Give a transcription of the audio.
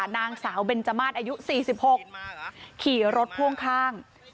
นางสาวเบนจมาสอายุ๔๖ขี่รถพ่วงข้าง